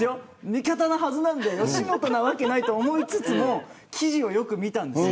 味方のはずなので吉本のはずないと思いつつも記事をよく見たんです。